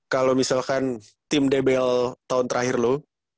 kalau misalkan tim debel tahun terakhir lo